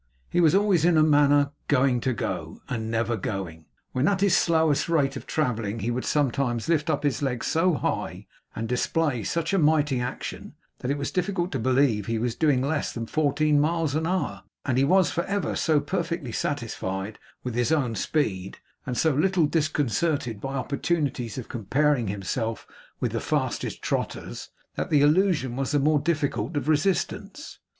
He was always in a manner, going to go, and never going. When at his slowest rate of travelling he would sometimes lift up his legs so high, and display such mighty action, that it was difficult to believe he was doing less than fourteen miles an hour; and he was for ever so perfectly satisfied with his own speed, and so little disconcerted by opportunities of comparing himself with the fastest trotters, that the illusion was the more difficult of resistance.